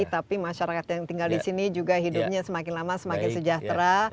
tapi masyarakat yang tinggal di sini juga hidupnya semakin lama semakin sejahtera